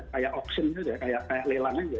seperti opsi seperti lelang saja